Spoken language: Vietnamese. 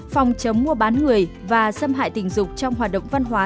phòng chống mua bán người và xâm hại tình dục trong hoạt động văn hóa